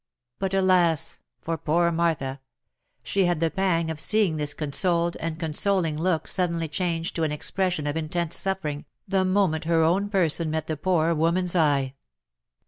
But, alas ! for poor Martha ! she had the pang of seeing this con soled and consoling look suddenly changed to an expression of intense suffering, the moment her own person met the poor woman's eye.